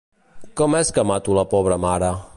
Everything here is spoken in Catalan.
¿Com és que mato la pobra mare?